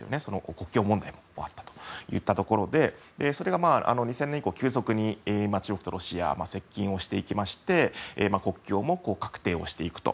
国境問題もあったといったところでそれが２０００年以降急速に中国とロシアが接近をしていきまして国境も確定していくと。